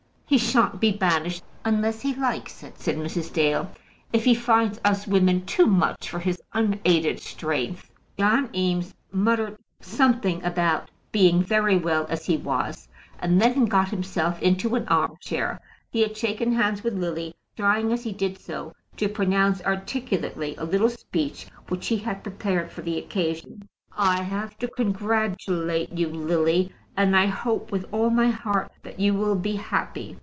"He shan't be banished unless he likes it," said Mrs. Dale. "If he finds us women too much for his unaided strength " John Eames muttered something about being very well as he was, and then got himself into an arm chair. He had shaken hands with Lily, trying as he did so to pronounce articulately a little speech which he had prepared for the occasion. "I have to congratulate you, Lily, and I hope with all my heart that you will be happy."